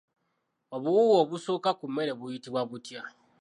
Obuwuuwo obusooka ku mmere buyitibwa butya?